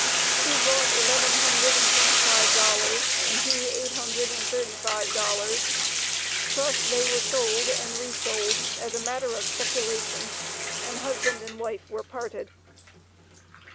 She brought eleven hundred and twenty five dollars, and he eight hundred and thirty five dollars; thus they were sold and resold as a matter of speculation, and husband and wife were parted."